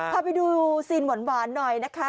พาไปดูซีนหวานหน่อยนะคะ